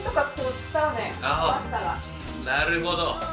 なるほど。